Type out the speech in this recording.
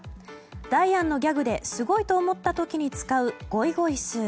ダイアンのギャグですごいと思ったときに使うゴイゴイスー。